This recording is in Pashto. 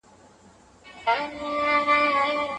مېنه به تشه له میړونو وي سیالان به نه وي